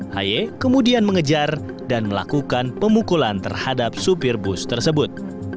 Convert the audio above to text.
haye kemudian mengejar dan melakukan pemukulan terhadap supir bus tersebut